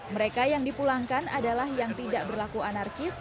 mereka yang dipulangkan adalah yang tidak berlaku anarkis